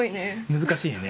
難しいよね。